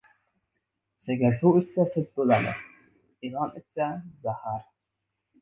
• Sigir suv ichsa sut bo‘ladi, ilon ichsa ― zahar.